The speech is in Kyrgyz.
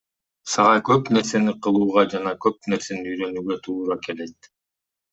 Сага көп нерсени кылууга жана көп нерсени үйрөнүүгө туура келет.